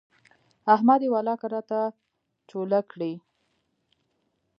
احمد يې ولاکه راته چوله کړي.